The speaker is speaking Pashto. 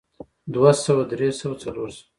دوه سوه درې سوه څلور سوه